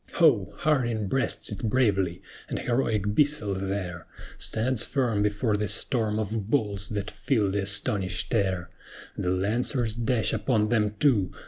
Ho! HARDIN breasts it bravely! and heroic BISSELL there Stands firm before the storm of balls that fill the astonished air: The Lancers dash upon them too!